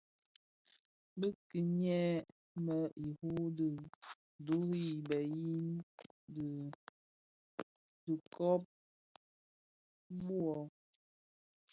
Bi kinyèn-më iru bi duru beyin di dhikob wuō,